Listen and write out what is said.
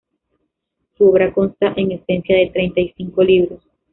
Su obra consta en esencia de treinta y cinco libros.